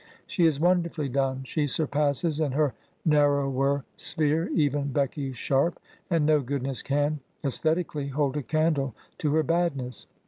She is wonderfully done; she surpasses in her narrower sphere even Becky Sharp, and no goodness can, aes thetically, hold a candle to her badness.